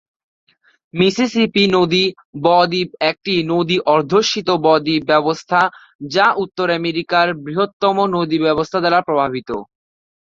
Mississippi নদী বদ্বীপ একটি নদী-অধ্যুষিত বদ্বীপ ব্যবস্থা, যা উত্তর আমেরিকার বৃহত্তম নদী ব্যবস্থা দ্বারা প্রভাবিত।